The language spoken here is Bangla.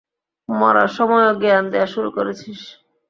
মরার সময়ও জ্ঞান দেয়া শুরু করেছিস?